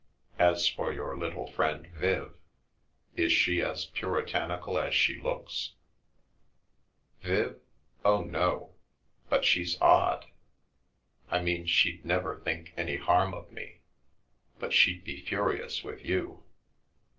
As for your little friend ' Viv '— is si as puritanical as she looks ?"" Viv ? Oh, no— but she's odd. I mean she'd nev think any harm of me, but she'd be furious with you."